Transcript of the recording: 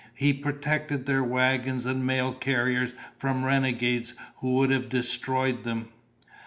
He protected their wagons and mail carriers from renegades who would have destroyed them.